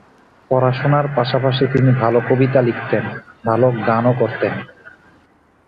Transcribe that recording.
পড়াশোনার পাশাপাশি তিনি ভালো কবিতা লিখতেন, ভালো গানও করতেন।